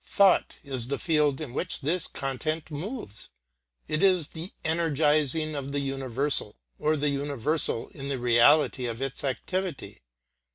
Thought is the field in which this content moves; it is the energising of the universal, or the universal in the reality of its activity.